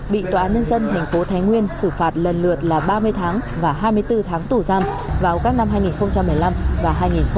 bị tòa án nhân dân thành phố thái nguyên xử phạt lần lượt là ba mươi tháng và hai mươi bốn tháng tù giam vào các năm hai nghìn một mươi năm và hai nghìn một mươi bảy